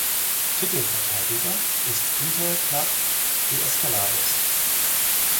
Titelverteidiger ist Inter Club d’Escaldes.